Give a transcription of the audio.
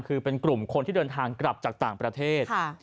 คือเป็นกลุ่มคนที่เดินทางกลับจากต่างประเทศ